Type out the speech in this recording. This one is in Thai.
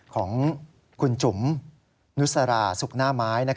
ของคุณจุ๋มนุษราสุขนาไม้